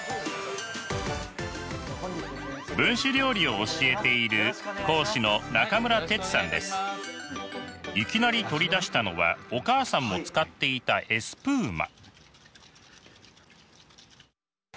分子料理を教えているいきなり取り出したのはお母さんも使っていたエスプーマ。